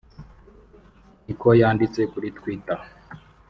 ” ni ko yanditse kuri twitt